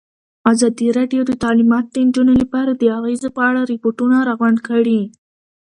ازادي راډیو د تعلیمات د نجونو لپاره د اغېزو په اړه ریپوټونه راغونډ کړي.